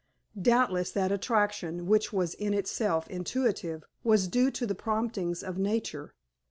Doubtless that attraction, which was in itself intuitive, was due to the promptings of nature.